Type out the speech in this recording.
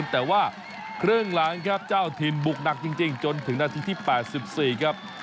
แต่ว่าครึ่งหลังครับเจ้าถิ่นบุกหนักจริงจนถึงนาทีที่๘๔ครับ